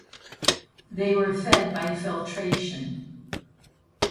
They were fed by filtration.